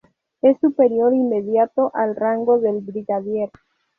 Es superior inmediato al rango del brigadier.